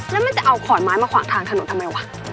แล้วมันจะเอาขอนไม้มาขวางทางถนนทำไมวะ